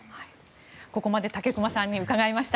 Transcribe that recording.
ここまで武隈さんに伺いました。